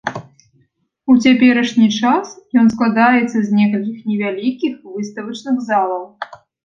У цяперашні час ён складаецца з некалькіх невялікіх выставачных залаў.